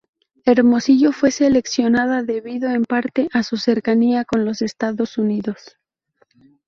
Hermosillo fue seleccionada debido en parte a su cercanía con los Estados Unidos.